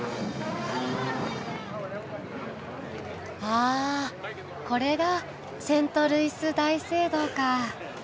あこれがセントルイス大聖堂か。